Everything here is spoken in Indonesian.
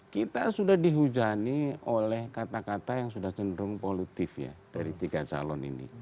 kita sudah dihujani oleh kata kata yang sudah cenderung polutif ya dari tiga calon ini